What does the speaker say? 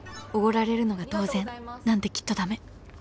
おごられるのが当然なんてきっと駄目